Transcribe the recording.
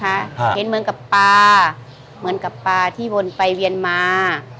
เห็นเหมือนกับปลาเหมือนกับปลาที่วนไปเวียนมา